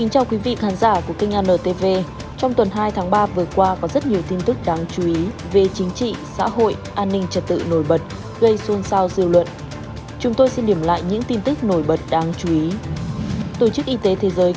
hãy đăng ký kênh để ủng hộ kênh của chúng mình nhé